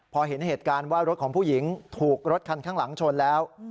พอเห็นเหตุการณ์ว่ารถของผู้หญิงถูกรถคันข้างหลังชนแล้ว